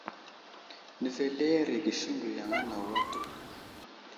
Nəveleerege siŋgu yaŋ anawo atu.